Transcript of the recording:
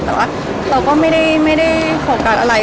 แต่ว่าเราก็ไม่ได้โฟกัสอะไร